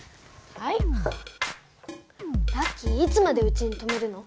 ラッキーいつまでうちにとめるの？